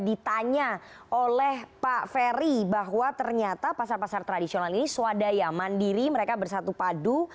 bang ferry bahwa ternyata pasar pasar tradisional ini swadaya mandiri mereka bersatu padu